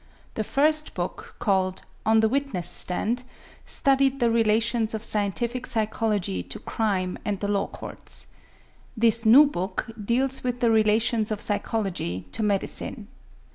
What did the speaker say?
The first book, called "On the Witness Stand," studied the relations of scientific psychology to crime and the law courts. This new book deals with the relations of psychology to medicine.